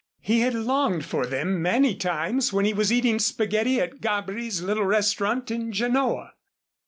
He had longed for them many times when he was eating spaghetti at Gabri's little restaurant in Genoa.